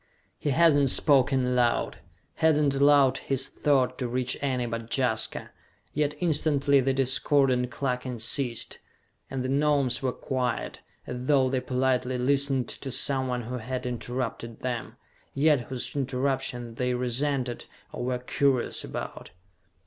He had not spoken aloud, had not allowed his thought to reach any but Jaska; yet instantly the discordant clucking ceased, and the Gnomes were quiet, as though they politely listened to someone who had interrupted them, yet whose interruption they resented, or were curious about.